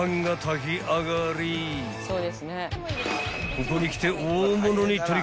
［ここにきて］